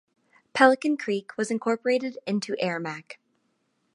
Pelican Creek was incorporated into Aramac.